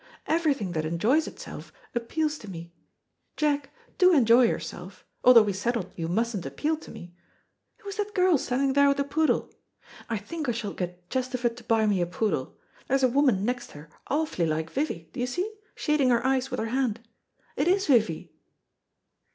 Everything that enjoys itself appeals to me. Jack, do enjoy yourself, although we settled you mustn't appeal to me. Who is that girl standing there with the poodle? I think I shall get Chesterford to buy me a poodle. There's a woman next her awfully like Vivy, do you see, shading her eyes with her hand. It is Vivy."